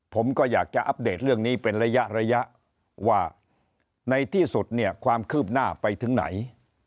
ผมก็อยากจะอัปเดตเรื่องนี้เป็นระยะระยะว่าในที่สุดเนี่ยความคืบหน้าไปถึงไหน